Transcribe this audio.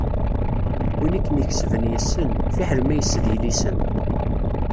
Win i kem-ikesben yessen, fiḥel ma yessed ilisen.